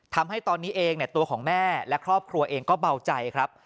ทำให้ตอนนี้เองตัวของแม่และครอบครัวเองก็เบาใจครับ